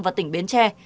và tỉnh biến tre